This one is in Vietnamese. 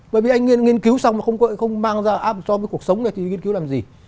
bởi vì anh nghiên cứu xong mà không mang ra áp cho cái cuộc sống này thì nghiên cứu làm gì